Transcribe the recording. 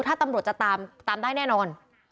ถ้าตำรวจจะตามตามได้แน่นอน